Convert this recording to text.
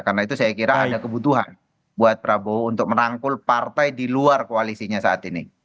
karena itu saya kira ada kebutuhan buat prabowo untuk merangkul partai di luar koalisinya saat ini